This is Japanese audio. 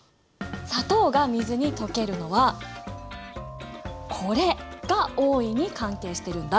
砂糖が水に溶けるのはこれが大いに関係してるんだ！